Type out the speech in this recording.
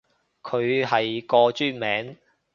佢係個專名